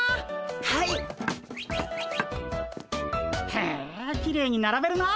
へえきれいにならべるなあ。